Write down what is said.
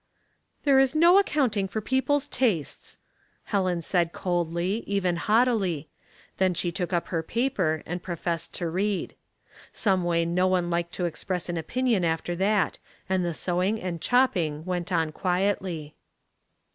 " There is no accounting for people's tastes," Helen said coldly, even haughtily ; then she took up her paper and professed to read. Some Storm arid '•^ 3Ioonshine. 351 way no one liked to express an opinion after that, and the sewing and chopping went on quietly.